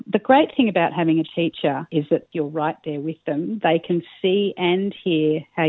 dan kemudian memberikan tips yang spesifik untuk instrumen itu